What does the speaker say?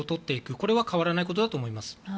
これは変わらないことだと思います。